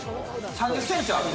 ３０ｃｍある・